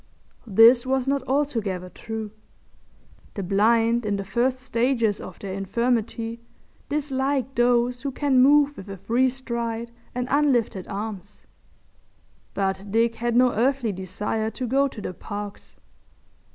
This was not altogether true. The blind in the first stages of their infirmity dislike those who can move with a free stride and unlifted arms—but Dick had no earthly desire to go to the Parks.